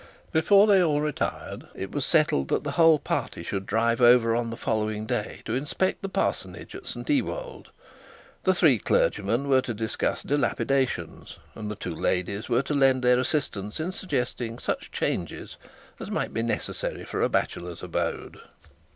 Before they all retired it was settled that the whole party should drive over on the following day to inspect the parsonage at St Ewold. The three clergymen were to discuss dilapidations, and the two ladies were to lend their assistance in suggesting such changes as might be necessary for a bachelor's abode.